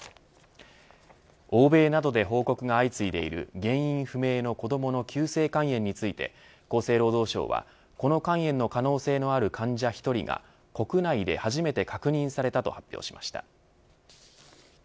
欧米などで報告が相次いでいる原因不明の子どもの急性肝炎について厚生労働省はこの肝炎の可能性のある患者１人が国内で初めて確認されたと発表しました。